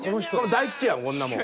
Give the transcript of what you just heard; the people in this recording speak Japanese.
大吉やんこんなもん。